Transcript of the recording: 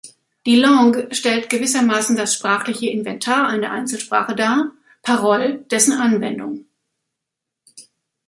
Die Langue stellt gewissermaßen das sprachliche Inventar einer Einzelsprache dar, Parole dessen Anwendung.